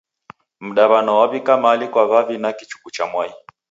Mdaw'ana waw'ika mali kwa w'avi na kichuku cha mwai.